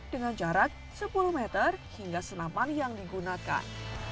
dengan jarak sepuluh meter hingga senaman yang digunakan